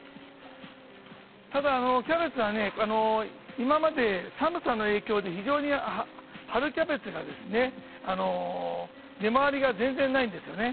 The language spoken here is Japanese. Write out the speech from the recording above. ただ、キャベツは今まで寒さの影響で非常に、春キャベツが出回りが全然ないんですね。